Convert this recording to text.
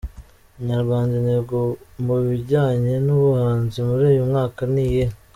Inyarwanda: Intego mubijyanye n’ubuhanzi muri uyu mwaka ni iyihe?.